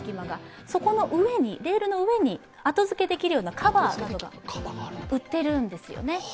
そこの上に、レールの上に後づけできるようなカバーが売ってるんですよね。